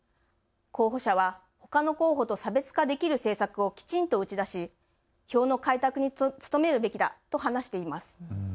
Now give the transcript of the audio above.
候補者はほかの候補と差別化できる政策をきちんと打ち出し票の開拓に努めるべきだと話しています。